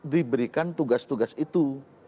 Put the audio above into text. diberikan tugas tugas itu